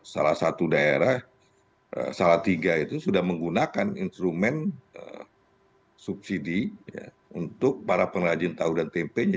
salah satu daerah salah tiga itu sudah menggunakan instrumen subsidi untuk para pengrajin tahu dan tempenya